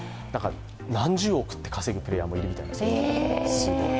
何十億と稼ぐプレーヤーもいるみたいですよ。